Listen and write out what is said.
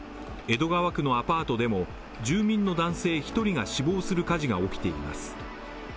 江戸川区のアパートでも住民の男性１人が死亡する火事が起きています。